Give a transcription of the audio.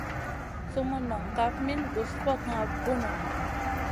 Sumun non kaf min gus fokŋa vi bunu.